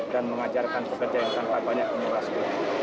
dan mengajarkan pekerjaan tanpa banyak penyelidikan